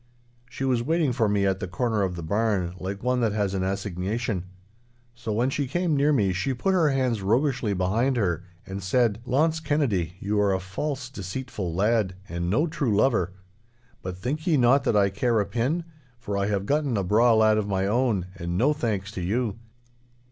She was waiting for me at the corner of the barn like one that has an assignation. So when she came near me she put her hands roguishly behind her, and said, 'Launce Kennedy, you are a false, deceitful lad, and no true lover. But think ye not that I care a pin, for I have gotten a braw lad of my own, and no thanks to you.